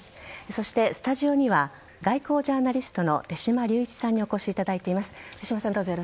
そして、スタジオには外交ジャーナリストの手嶋龍一さんにお越しいただいています。